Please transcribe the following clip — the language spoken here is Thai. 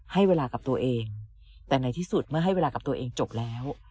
ให้เวลากับตัวเองแต่ในที่สุดเมื่อให้เวลากับตัวเองจบแล้ว